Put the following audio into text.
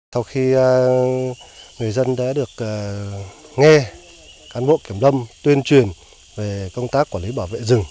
sau khi người dân đã được nghe cán bộ kiểm lâm tuyên truyền về công tác quản lý bảo vệ rừng